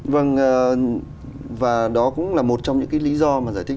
vâng và đó cũng là một trong những cái lý do mà giải thích